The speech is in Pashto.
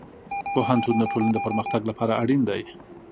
پوهنتون د ټولنې د پرمختګ لپاره اړین دی.